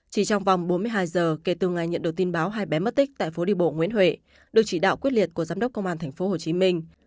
chỉ trong vòng bốn mươi hai giờ kể từ ngày nhận được tin báo hai bé mất tích tại phố đi bộ nguyễn huệ được chỉ đạo quyết liệt của giám đốc công an thành phố hồ chí minh